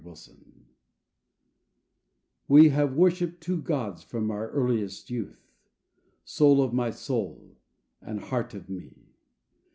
EPILOGUE _We have worshipped two gods from our earliest youth, Soul of my soul and heart of me!